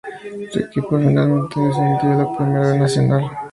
Su equipo finalmente descendió a la Primera B Nacional.